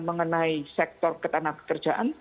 mengenai sektor ketanah pekerjaan